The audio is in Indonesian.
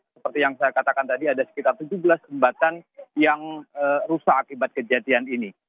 seperti yang saya katakan tadi ada sekitar tujuh belas jembatan yang rusak akibat kejadian ini